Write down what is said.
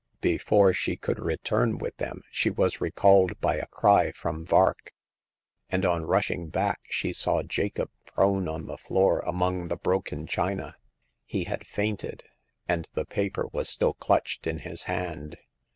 Before she could return with them she was recalled by a crj ixo\XYN'^V\ 30 Hagar of the Pawn Shop. and on rushing back she saw Jacob prone on the floor among the broken china. He had fainted, and the paper was still clutched in his hand.